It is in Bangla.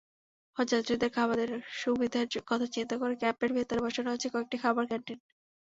হজযাত্রীদের খাবারের সুবিধার কথা চিন্তা করে ক্যাম্পের ভেতরে বসানো হয়েছে কয়েকটি খাবার ক্যানটিন।